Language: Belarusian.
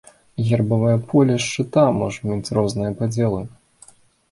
Гербавае поле шчыта можа мець розныя падзелы.